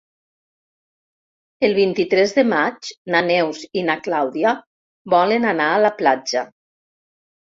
El vint-i-tres de maig na Neus i na Clàudia volen anar a la platja.